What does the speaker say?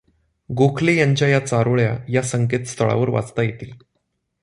गोखले यांच्या या चारोळ्या या संकेतस्थळावर वाचता येतील.